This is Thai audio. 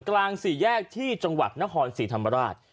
กลางสี่แยกที่จังหวัดนครศรีธรรมราช